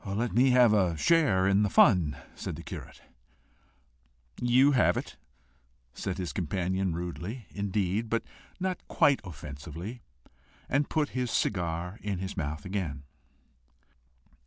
"Let me have a share in the fun," said the curate. "You have it," said his companion rudely, indeed, but not quite offensively, and put his cigar in his mouth again.